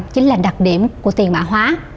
chính là đặc điểm của tiền mã hóa